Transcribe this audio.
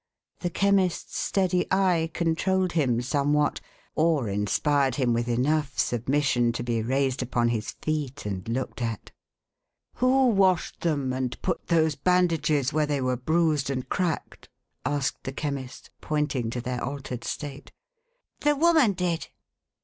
The Chemist's steady eye controlled him somewhat, or inspired him with enough submission to be raised upon his feet, and looked at. " Who washed them, and put those bandages where they were bruised and cracked ?" asked the Chemist, pointing to their altered state. "The woman did.